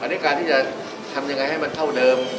อันนี้การที่จะทำยังไงให้มันเท่าเดิม